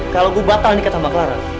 kalau gue batal nikah sama clara